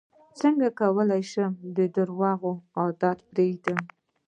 څنګه کولی شم د درواغو عادت پرېږدم